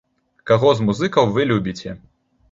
Каго з музыкаў вы любіце?